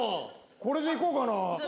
これでいこうかな。